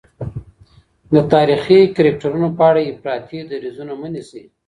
د تاریخي کرکټرونو په اړه افراطي دریځونه مه نیسئ.